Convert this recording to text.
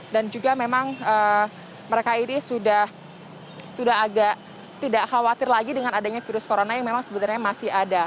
dan juga memang mereka ini sudah agak tidak khawatir lagi dengan adanya virus corona yang memang sebenarnya masih ada